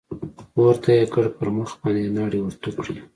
پورته يې كړ پر مخ باندې يې ناړې ورتو کړې.